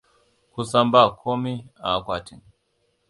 Kusan ba komi a akwatin.